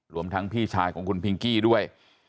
รวมทั้งพี่ชายของคุณพิงกี้ด้วย